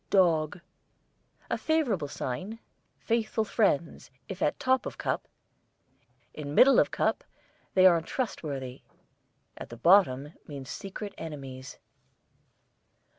DOG, a favourable sign; faithful friends, if at top of cup; in middle of cup, they are untrustworthy; at the bottom means secret enemies.